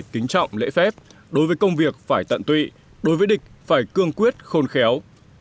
kính trọng lễ phép đối với công việc phải tận tụy đối với địch phải cương quyết khôn khéo